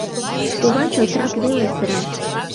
Кува чотрак веле сыра